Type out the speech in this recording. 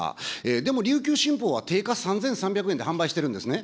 でも、琉球新報は、定価３３００円で販売してるんですね。